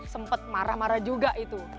sempat marah marah juga itu